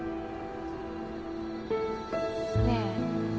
ねえ。